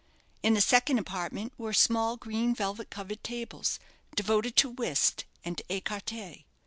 In the second apartment were small green velvet covered tables, devoted to whist and écarté.